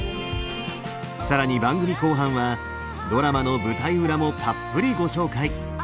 更に番組後半はドラマの舞台裏もたっぷりご紹介。